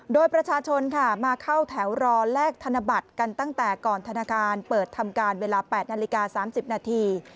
โดยประชาชนค่ะมาเข้าแถวรอแลกธนบัตรกันตั้งแต่ก่อนธนาคารเปิดทำการเวลา๘นาฬิกา๓๐นาที